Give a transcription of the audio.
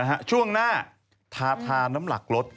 เอ้าช่วงหน้าทาน้ำหลักลด